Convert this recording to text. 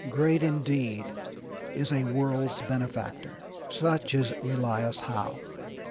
Great, indeed, is a world's benefactor; such is Elias Howe.